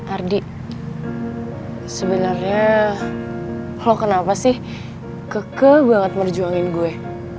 ardi sebenarnya lo kenapa sih keke banget merjuangin gue